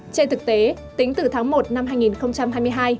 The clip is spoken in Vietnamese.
trên thực tế tính từ tháng một năm hai nghìn hai mươi hai